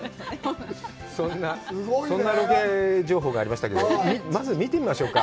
そんなロケ情報がありましたけど、まず見てみましょうか。